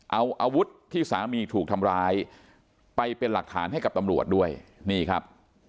เอาอาวุธที่สามีถูกทำร้ายไปเป็นหลักฐานให้กับตำรวจด้วยนี่ครับ